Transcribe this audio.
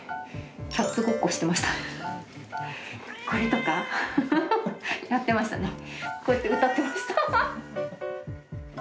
これとかやってましたね。